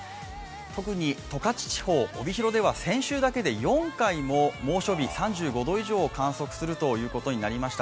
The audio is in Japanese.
特に十勝地方帯広では先週だけで４回も猛暑日、３５度以上を観測するということになりました。